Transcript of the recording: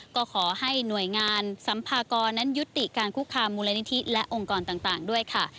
ก็ขอให้หน่วยงานสัมภากรนั้นยุติการคุกคามมูลนิธิและองค์กรต่างด้วยค่ะ